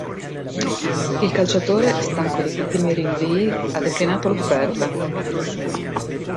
Il calciatore, stanco dei continui rinvii, ha declinato l'offerta.